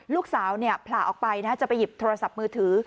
ลูกสาวผล่าออกไปจะไปหยิบโทรศัพท์มือถือ